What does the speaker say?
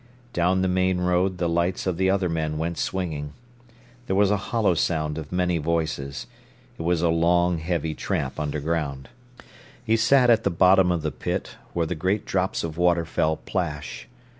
Down the main road the lights of the other men went swinging. There was a hollow sound of many voices. It was a long, heavy tramp underground. He sat at the bottom of the pit, where the great drops of water fell plash.